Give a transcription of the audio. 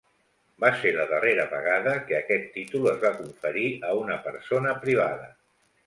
Va ser la darrera vegada que aquest títol es va conferir a una persona privada.